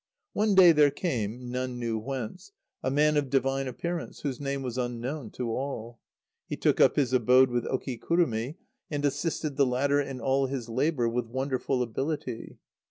One day there came, none knew whence, a man of divine appearance, whose name was unknown to all. He took up his abode with Okikurumi, and assisted the latter in all his labour with wonderful ability.